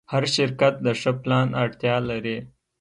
هر شرکت د ښه پلان اړتیا لري.